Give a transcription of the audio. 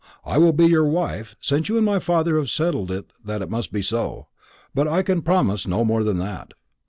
"I will be your wife, since you and my father have settled that it must be so; but I can promise no more than that.